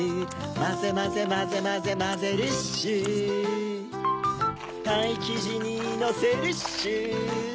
まぜまぜまぜまぜまぜるッシュパイきじにのせるッシュ。